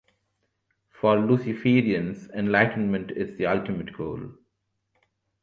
For Luciferians, enlightenment is the ultimate goal.